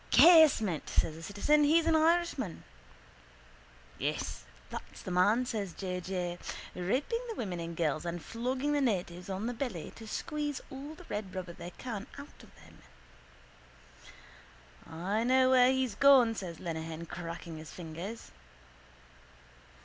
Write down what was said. —Casement, says the citizen. He's an Irishman. —Yes, that's the man, says J. J. Raping the women and girls and flogging the natives on the belly to squeeze all the red rubber they can out of them. —I know where he's gone, says Lenehan, cracking his fingers.